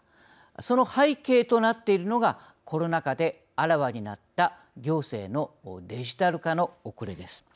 その背景となっているのがコロナ禍であらわになった行政のデジタル化の遅れです。